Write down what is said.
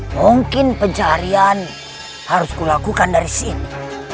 mungkin pencarian harus kulakukan dari sini